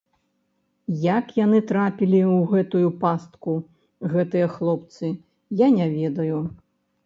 Як яны трапілі ў гэтую пастку, гэтыя хлопцы, я не ведаю.